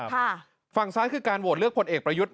ฝั่งซ้ายคือการโหวตเลือกพลเอกประยุทธ์